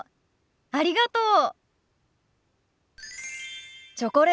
ありがとう。